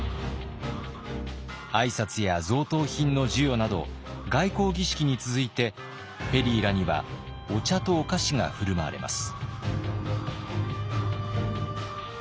挨拶や贈答品の授与など外交儀式に続いてペリーらにはお茶とお菓子が振る舞われます。